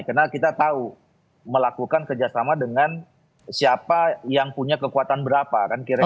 karena kita tahu melakukan kerjasama dengan siapa yang punya kekuatan berapa